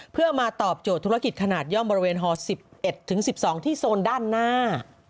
เพื่อมาตอบโจทย์ธุรกิจขนาดย่อมบริเวณฮ๑๑๑๑๒ที่โซนด้านหน้า